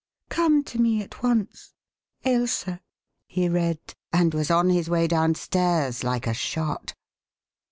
"Come to me at once. Ailsa," he read and was on his way downstairs like a shot.